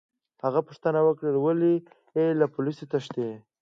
هغه پوښتنه وکړه: ولي، له پولیسو تښتې؟